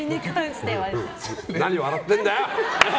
何笑ってんだよ！